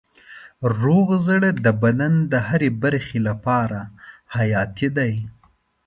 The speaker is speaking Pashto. روغ زړه د بدن د هرې برخې لپاره حیاتي دی.